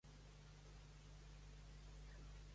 I per què la va conquistar Gliglois?